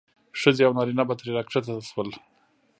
ښځې او نارینه به ترې راښکته شول.